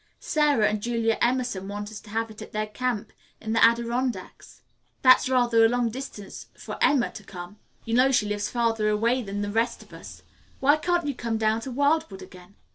Sara and Julia Emerson want us to have it at their camp in the Adirondacks. That's rather a long distance for Emma to come. You know she lives farther away than the rest of us. Why can't you come down to Wildwood again?